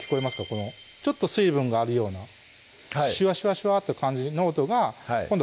このちょっと水分があるようなシュワシュワシュワという感じの音が今度